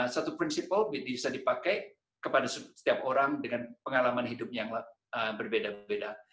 satu prinsipal bisa dipakai kepada setiap orang dengan pengalaman hidup yang berbeda beda